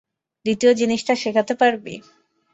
দ্বিতীয় জিনিসটা শেখাতে পারবি?